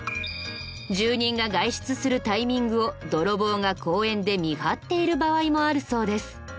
住人が外出するタイミングを泥棒が公園で見張っている場合もあるそうです。